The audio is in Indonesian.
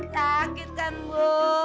sakit kan bu